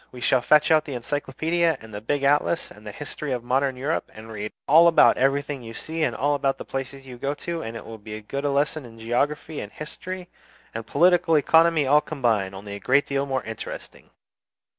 We shall fetch out the Encyclopaedia and the big Atlas and the 'History of Modern Europe,' and read all about everything you see and all the places you go to; and it will be as good as a lesson in geography and history and political economy all combined, only a great deal more interesting!